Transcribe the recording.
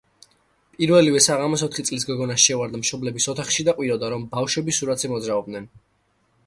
პირველივე საღამოს ოთხი წლის გოგონა შევარდა მშობლების ოთახში და ყვიროდა, რომ ბავშვები სურათზე მოძრაობდნენ.